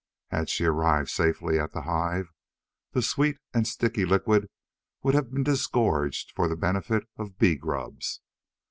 Had she arrived safely at the hive, the sweet and sticky liquid would have been disgorged for the benefit of bee grubs.